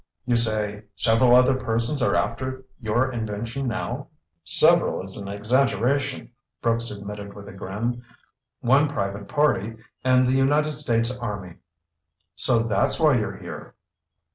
"You say several other persons are after your invention now?" "Several is an exaggeration," Brooks admitted with a grin. "One private party and the United States Army." "So that's why you're here!"